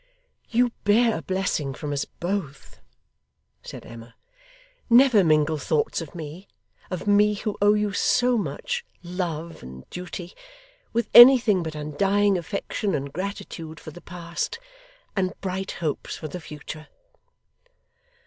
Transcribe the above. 'You bear a blessing from us both,' said Emma. 'Never mingle thoughts of me of me who owe you so much love and duty with anything but undying affection and gratitude for the past, and bright hopes for the future.